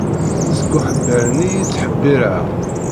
Seg uḥebbeṛ nni i ttḥebbiṛeɣ.